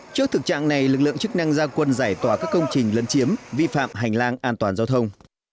trước thực trạng này lực lượng chức năng gia quân giải tỏa các công trình lân chiếm vi phạm hành lang an toàn giao thông